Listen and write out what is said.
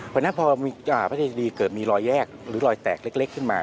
เพราะฉะนั้นพอพระเจดีเกิดมีรอยแยกหรือรอยแตกเล็กขึ้นมา